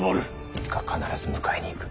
いつか必ず迎えに行く。